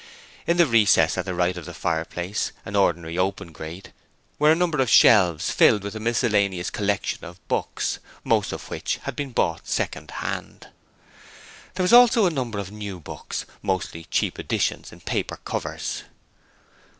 In the recess at the right of fireplace an ordinary open grate were a number of shelves filled with a miscellaneous collection of books, most of which had been bought second hand. There were also a number of new books, mostly cheap editions in paper covers.